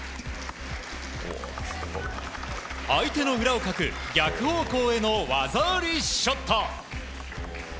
相手の裏をかく逆方向への技ありショット。